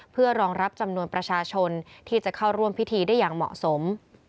เพื่อรองรับจำนวนประชาชนที่จะเข้าร่วมพิธีได้อย่างเหมาะสม